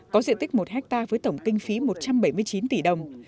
có diện tích một hectare với tổng kinh phí một trăm bảy mươi chín tỷ đồng